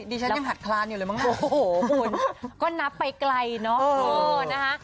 ดิฉันยังหัดคลานอยู่เลยมั้งโอ้โหคุณก็นับไปไกลเนอะนะคะ